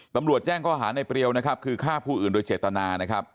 ตำรวจแจ้งข้อหาในเปรียวนะครับคือฆ่าผู้อื่นโดยเจตนานะครับ